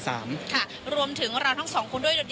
รวมถึงเราทั้งสองคนด้วย